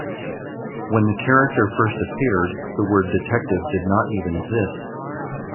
When the character first appeared, the word detective did not even exist.